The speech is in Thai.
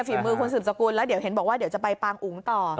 ฝีมือคุณสืบสกุลแล้วเดี๋ยวเห็นบอกว่าเดี๋ยวจะไปปางอุ๋งต่อ